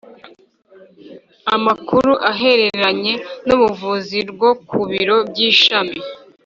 Amakuru Ahereranye n Ubuvuzi rwo ku biro by ishami